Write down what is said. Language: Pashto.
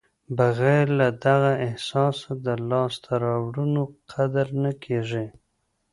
بغیر له دغه احساسه د لاسته راوړنو قدر نه کېږي.